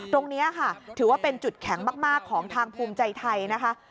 ตรงนี้ค่ะถือว่าเป็นจุดแข็งมากของทางภูมิใจไทยนะคะ